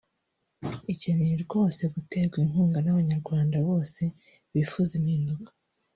ikeneye rwose guterwa inkunga n’Abanyarwanda bose bifuza impinduka